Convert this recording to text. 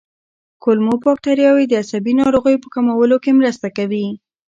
کولمو بکتریاوې د عصبي ناروغیو په کمولو کې مرسته کوي.